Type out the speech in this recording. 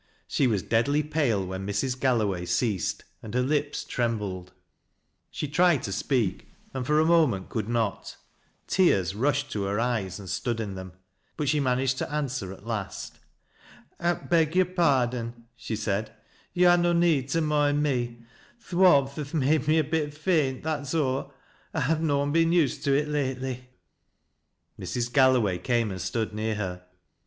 She was deadly palo \fhen Mrs. Galloway ceased, and her lips trembled ; she tried to speak, and for a moment could not ; tears rushed to her eyes and stood in them. But she managed to an d<ver at last. " I beg yore pardon," she said. " Yo' ha' no need t( rtioind me. Th' warmth has made me a bit faint, that') aw. I've noan been used to it lately." ASBLET WOLJJ. 261 Mrs. Galloway came and stood near her.